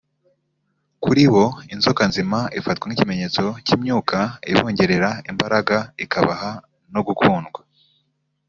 kuri bo inzoka nzima ifatwa nk’ikimenyetso cy’imyuka ibongerera imbaraga ikabaha no gukundwa